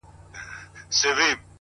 • د ده سترګي سولې خلاصې ژوند یې سم سو,